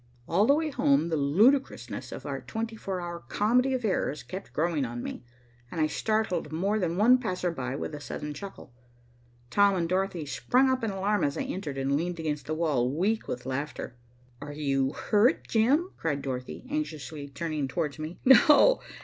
All the way home the ludicrousness of our twenty four hour comedy of errors kept growing on me, and I startled more than one passer by with a sudden chuckle. Tom and Dorothy sprung up in alarm as I entered and leaned against the wall, weak with laughter. "Are you hurt, Jim?" cried Dorothy, anxiously turning towards me. "No!